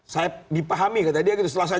saya dipahami tadi ya gitu setelah saya